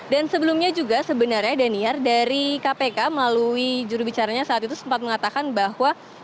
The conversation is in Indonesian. dan sebelumnya juga sebenarnya daniar dari kpk melalui juru bicaranya saat itu sempat mengatakan bahwa